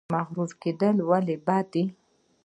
مغرور کیدل ولې بد دي؟